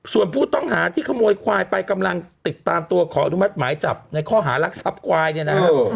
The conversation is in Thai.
ส่วนผู้ต้องหาที่ขโมยควายไปกำลังติดตามตัวขออนุมัติหมายจับในข้อหารักทรัพย์ควายเนี่ยนะฮะ